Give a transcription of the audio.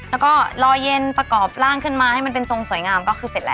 แล้วก็ลอยเย็นประกอบร่างขึ้นมาให้มันเป็นทรงสวยงามก็คือเสร็จแล้ว